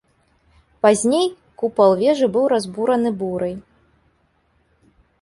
Пазней купал вежы быў разбураны бурай.